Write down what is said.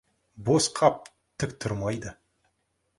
Бос қап тік тұрмайды.